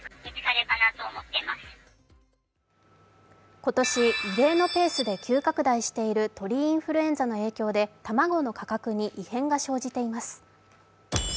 今年、異例のペースで急拡大している鳥インフルエンザの影響で卵の価格に異変が生じています。